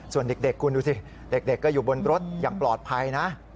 ส่วนเด็กคุณดูสิเด็กก็อยู่บนรถอย่างปลอดภัยนะ